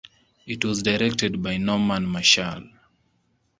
It was directed by Norman Marshall.